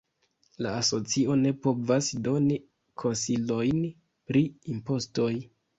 La asocio ne povas doni konsilojn pri impostoj.